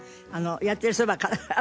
やってるそばから。